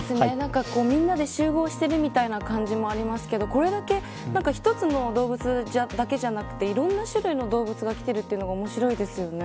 みんなで集合してるみたいな感じもありますけどこれだけ１つの動物だけじゃなくていろんな種類の動物が来ているというのが面白いですよね。